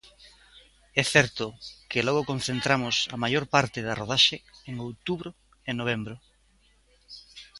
É certo que logo concentramos a maior parte da rodaxe en outubro e novembro.